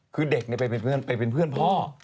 คือเด็กไปเป็นเพื่อนพ่อ